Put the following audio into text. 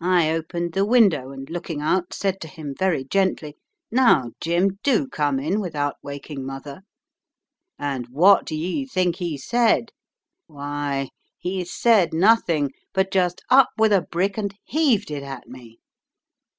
I opened the window, and, looking out, said to him very gently, 'Now Jim, do come in without waking mother.' And what d'ye think he said? Why, he said nothing, but just up with a brick and heaved it at me.